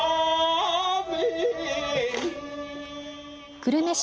久留米市